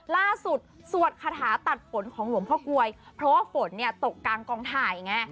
สวดคาถาตัดฝนของหลวงพ่อกลวยเพราะว่าฝนเนี่ยตกกลางกองถ่ายไง